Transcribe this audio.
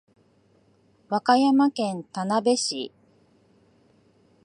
和歌山県田辺市